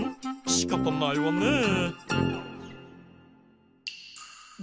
しかたないわねえ。